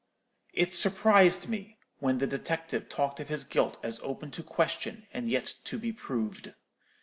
It surprised me when the detective talked of his guilt as open to question, and yet to be proved.